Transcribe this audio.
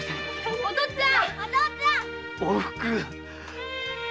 お父っつぁん！